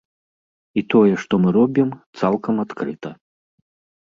І тое, што мы робім, цалкам адкрыта.